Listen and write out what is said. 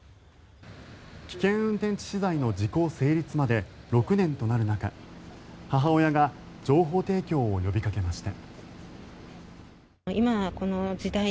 危険運転致死罪の時効成立まで６年となる中母親が情報提供を呼びかけました。